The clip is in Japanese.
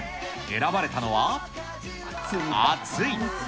選ばれたのは暑。